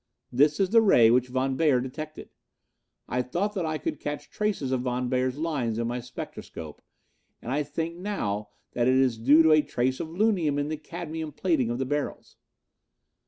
This is the ray which Von Beyer detected. I thought that I could catch traces of Von Beyer's lines in my spectroscope, and I think now that it is due to a trace of lunium in the cadmium plating of the barrels.